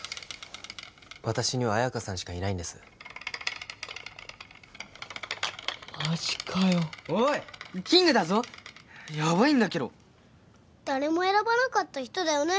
私には綾華さんしかいないんですマジかよおいっキングだぞヤバいんだけど誰も選ばなかった人だよね